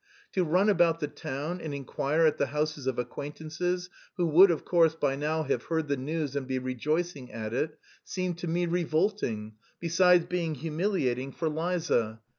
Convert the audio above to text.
To run about the town and inquire at the houses of acquaintances, who would, of course, by now have heard the news and be rejoicing at it, seemed to me revolting, besides being humiliating for Liza.